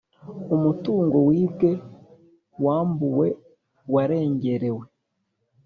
umutungo wibwe wambuwe warengerewe